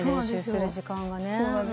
練習する時間がね。